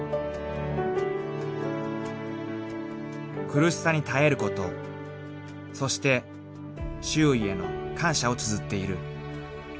［苦しさに耐えることそして周囲への感謝をつづっている］